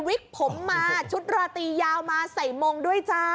วิกผมมาชุดราตียาวมาใส่มงด้วยจ้า